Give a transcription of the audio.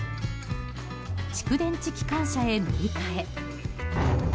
蓄電池機関車へ乗り換え。